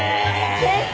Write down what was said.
先生！